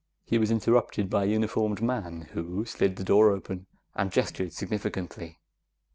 He was interrupted by a uniformed man, who slid the door open and gestured significantly.